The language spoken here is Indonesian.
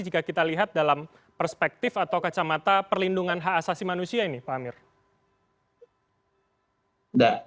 jika kita lihat dalam perspektif atau kacamata perlindungan hak asasi manusia ini pak amir